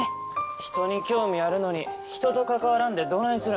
人に興味あるのに人と関わらんでどないするん？